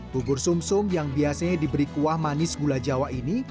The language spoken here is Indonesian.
bubur sum sum yang biasanya diberi kuah manis gula jawa ini